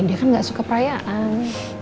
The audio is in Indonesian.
dia kan gak suka perayaan